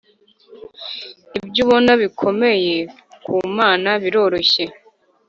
ibyo ubona bikomeye kumana biroroshye